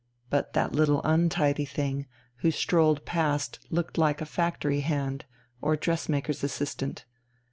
But that little untidy thing who strolled past looked like a factory hand or dressmaker's assistant.